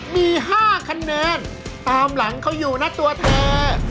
มี๕คะแนนตามหลังเขาอยู่นะตัวเธอ